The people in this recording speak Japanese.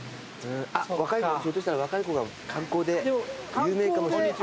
あっ若い子ひょっとしたら若い子観光で有名かもしれない。